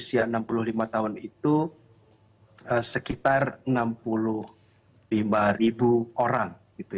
jadi kita akan memberangkatkan jemaah dengan usia yang lebih dari enam puluh lima ribu orang